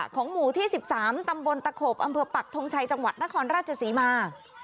ของหมู่ที่๑๓ตำบลตะขบอำเภอปักทงชัยจังหวัดนครราชศรีมา